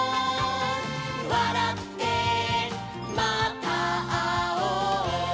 「わらってまたあおう」